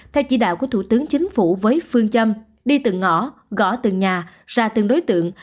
theo chỉ đạo của thủ tướng chính phủ với phương châm đi từng ngõ gõ từng nhà ra từng đối tượng